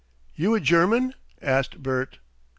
you a German?" asked Bert.